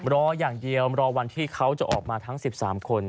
รออย่างเดียวรอวันที่เขาจะออกมาทั้ง๑๓คน